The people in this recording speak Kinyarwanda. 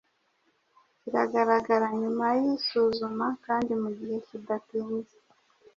kiragaragara nyuma y'isuzuma kandi mu gihe kidatinze